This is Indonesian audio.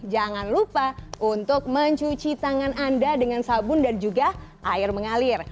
jangan lupa untuk mencuci tangan anda dengan sabun dan juga air mengalir